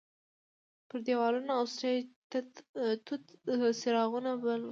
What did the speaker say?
پر دیوالونو او سټیج تت څراغونه بل وو.